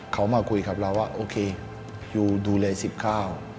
เขามาคุยกับเราว่าโอเคยูดูแลสิบข้าว